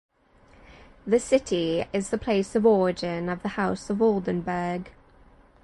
The city is the place of origin of the House of Oldenburg.